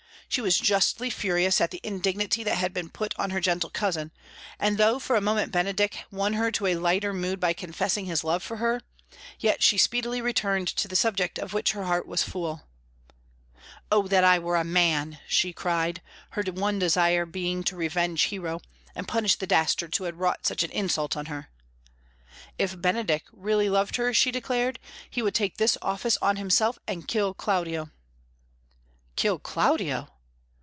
She was justly furious at the indignity that had been put on her gentle cousin, and though for a moment Benedick won her to a lighter mood by confessing his love for her, yet she speedily returned to the subject of which her heart was full. "Oh that I were a man!" she cried, her one desire being to revenge Hero, and punish the dastards who had wrought such an insult on her. If Benedick really loved her, she declared, he would take this office on himself and kill Claudio. "Kill Claudio!"